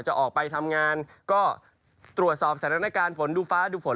จะออกไปทำงานก็ตรวจสอบสถานการณ์ฝนดูฟ้าดูฝน